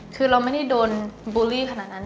คือเราไม่ได้โดนบูลลี่ขนาดนั้น